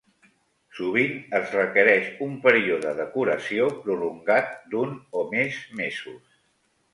Sovint es requereix un període de curació prolongat d'un o més mesos.